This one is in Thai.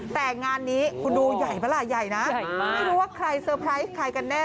แต่งานนี้คุณดูใหญ่ปะล่ะใหญ่นะไม่รู้ว่าใครเซอร์ไพรส์ใครกันแน่